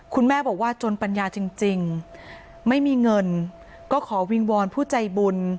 คุณแม่บอกว่าจนปัญญาจริงไม่มีเงินก็ขอวิงวอนผู้ใจบุญ